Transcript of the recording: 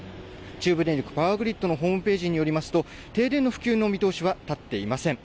中部電力パワーグリッドのホームページによりますと停電の復旧の見通しは立っていません。